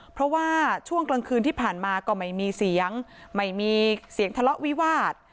เพราะว่าช่วงกลางคืนที่ผ่านมาก็ไม่มีเสียงไม่มีเสียงทะเลาะวิวาส